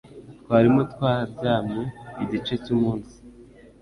twarimo twaryamye igice cy'umunsi